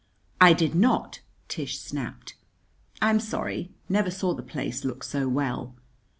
"I did not!" Tish snapped. "I'm sorry. Never saw the place look so well!"